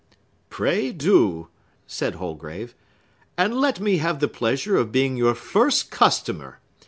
"Pray do" said Holgrave, "and let me have the pleasure of being your first customer.